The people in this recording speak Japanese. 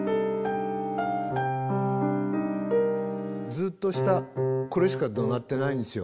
ずっと下これしかド鳴ってないんですよ。